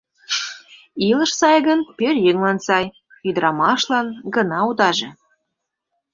Илыш сай гын, пӧръеҥлан сай, ӱдырамашлан гына удаже.